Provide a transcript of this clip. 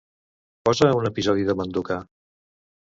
Posa un episodi de "Manduka".